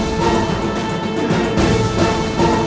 ที่สุดที้